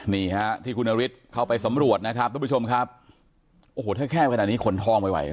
นี่ฮะที่คุณนฤทธิ์เข้าไปสำรวจนะครับทุกผู้ชมครับโอ้โหถ้าแคบขนาดนี้ขนทองไม่ไหว